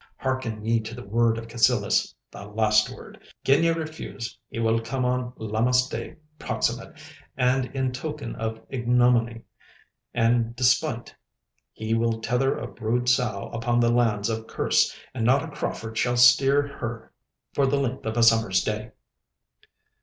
'Hearken ye to the word of Cassillis—the last word—gin ye refuse he will come on Lammas day proximate, and in token of ignominy and despite, he will tether a brood sow upon the lands of Kerse, and not a Crauford shall steer her for the length of a summer's day.